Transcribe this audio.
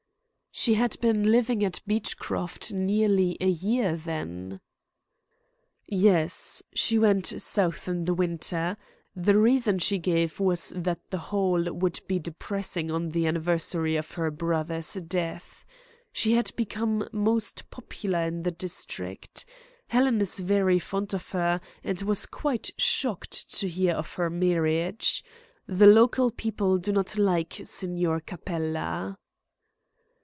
"She had been living at Beechcroft nearly a year, then?" "Yes, she went South in the winter. The reason she gave was that the Hall would be depressing on the anniversary of her brother's death. She had become most popular in the district. Helen is very fond of her, and was quite shocked to hear of her marriage. The local people do not like Signor Capella."